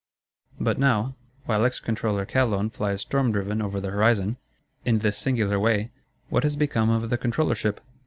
But now, while Ex Controller Calonne flies storm driven over the horizon, in this singular way, what has become of the Controllership?